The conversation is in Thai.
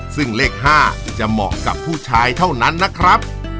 ซึ่งเลข๕จะเหมาะกับผู้ชายเท่านั้นนะครับ